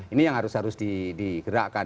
ini yang harus harus digerakkan